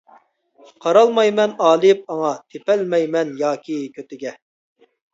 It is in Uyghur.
قارالمايمەن ئالىيىپ ئاڭا، تېپەلمەيمەن ياكى كۆتىگە.